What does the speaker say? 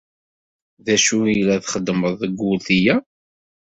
D acu i la txeddmeḍ deg wurti-a?